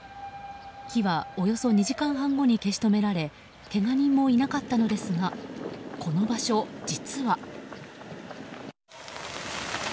火はおよそ２時間半後に消し止められけが人もいなかったのですがこの場所、実は。